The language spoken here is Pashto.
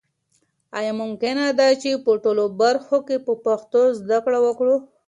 آیا ممکنه ده چې په ټولو برخو کې په پښتو زده کړه وکړو؟